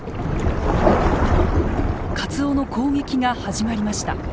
カツオの攻撃が始まりました。